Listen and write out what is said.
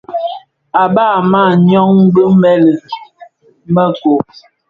À bab a màa nyɔng bi mëli mɛ kob.